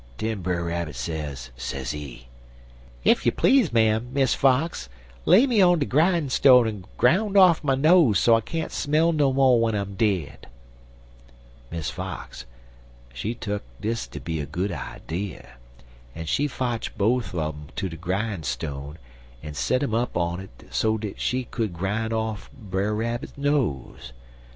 Den Brer Rabbit sez, sezee: "'Ef you please, ma'am, Miss Fox, lay me on de grinestone en groun off my nose so I can't smell no mo' w'en I'm dead.' "Miss Fox, she tuck dis ter be a good idee, en she fotch bofe un um ter de grinestone, en set um up on it so dat she could groun' off Brer Rabbit nose.